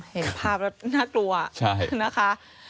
เห็นภาพแล้วน่ากลัวนะคะ